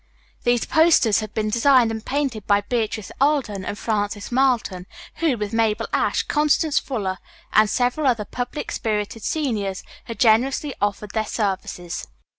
These posters had been designed and painted by Beatrice Alden and Frances Marlton, who, with Mabel Ashe, Constance Fuller and several other public spirited seniors, had generously offered their services.